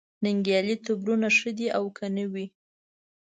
ننګیالي تربرونه ښه دي او که نه وي